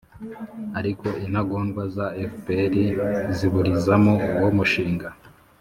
ariko intagondwa za fpr ziburizamo uwo mushinga.